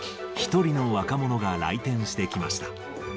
１人の若者が来店してきました。